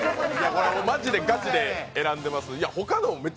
これはマジでガチで選んでます。